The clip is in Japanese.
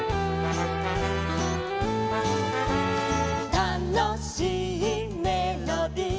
「たのしいメロディ」